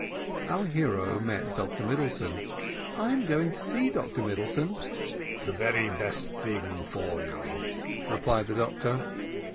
Our hero met Dr Middleton. "I am going to sea, Dr Middleton." "The very best thing for you," replied the doctor.